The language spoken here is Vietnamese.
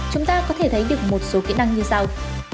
chúng ta có thể thấy được một số kỹ năng như sau